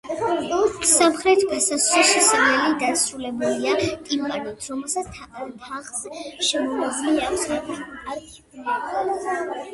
სამხრეთ ფასადზე შესასვლელი დასრულებულია ტიმპანით, რომლის თაღს შემოვლებული აქვს არქივოლტი.